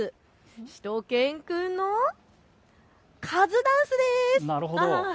しゅと犬くんのカズダンスです。